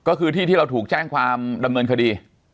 ก็คือที่ที่เราถูกแจ้งความดำเนินคดี